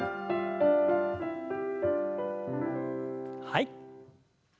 はい。